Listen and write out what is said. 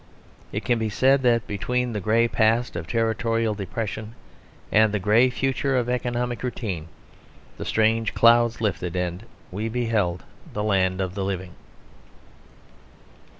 It can be said that between the grey past of territorial depression and the grey future of economic routine the strange clouds lifted, and we beheld the land of the living.